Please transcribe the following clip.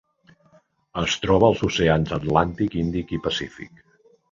Es troba als oceans Atlàntic, Índic i Pacífic.